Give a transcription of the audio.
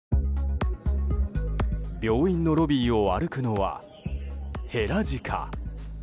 病院のロビーを歩くのはヘラジカ。